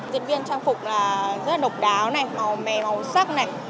diễn viên trang phục rất là độc đáo này màu mè màu sắc này